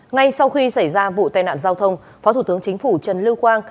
ngay sau khi xảy ra vụ tai nạn giao thông phó thủ tướng chính phủ trần lưu quang